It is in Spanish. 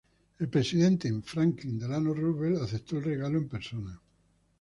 El presidente Franklin D. Roosevelt aceptó el regalo en persona.